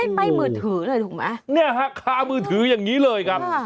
ไหม้ไหม้มือถือถูกไหม